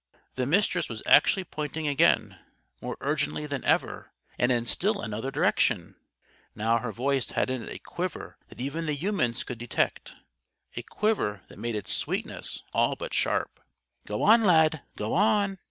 The Mistress was actually pointing again more urgently than ever and in still another direction. Now her voice had in it a quiver that even the humans could detect; a quiver that made its sweetness all but sharp. "Go on, Lad! Go _on!